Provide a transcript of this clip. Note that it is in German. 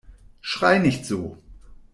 Schrei nicht so!